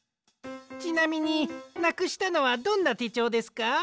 ちなみになくしたのはどんなてちょうですか？